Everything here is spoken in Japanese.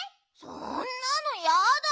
そんなのやだ。